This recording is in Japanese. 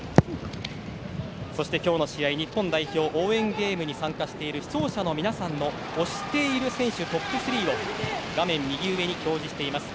そして今日の試合日本代表の応援ゲームに参加している視聴者の皆さんの推している選手トップ３を画面右上に表示しています。